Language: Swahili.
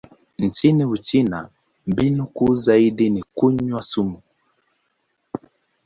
Nchini Uchina, mbinu kuu zaidi ni kunywa sumu.